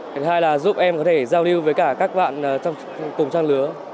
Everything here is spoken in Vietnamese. thứ hai là giúp em có thể giao lưu với cả các bạn trong cùng trang lứa